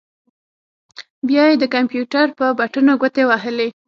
بيا يې د کمپيوټر پر بټنو ګوتې ووهلې.